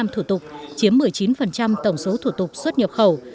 bốn mươi năm thủ tục chiếm một mươi chín tổng số thủ tục xuất nhập khẩu